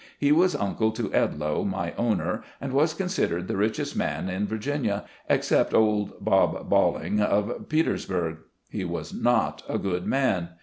He was uncle to Edloe, my owner, and was considered the richest man in Virginia, except old Bob Boiling, of Peters burg. He was not a good man.